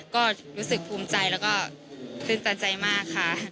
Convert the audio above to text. ก็รู้สึกภูมิใจแล้วก็ตื่นตันใจมากค่ะ